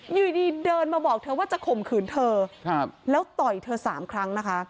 อยู่ดีเดินมาบอกเธอว่าจะข่มขืนเธอแล้วต่อยเธอสามครั้งนะคะ